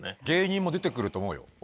芸人も出てくると思うよ。